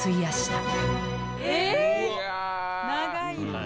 長い！